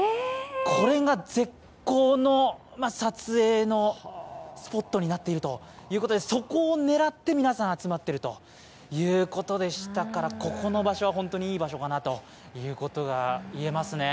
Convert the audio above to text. これが絶好の撮影のスポットになっているということでそこを狙って皆さん集まっているということでしたからここの場所は本当にいい場所といえますね。